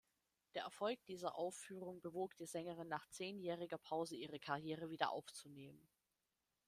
Der Erfolg dieser Aufführung bewog die Sängerin, nach zehnjähriger Pause ihre Karriere wieder aufzunehmen.